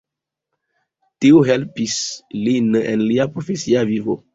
Tio helpis lin en lia profesia vivo.